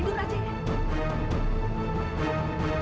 mbak nggak usah bangun